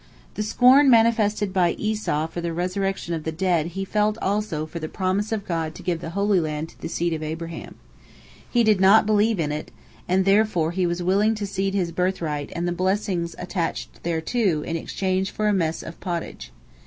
The scorn manifested by Esau for the resurrection of the dead he felt also for the promise of God to give the Holy Land to the seed of Abraham. He did not believe in it, and therefore he was willing to cede his birthright and the blessing attached thereto in exchange for a mess of pottage.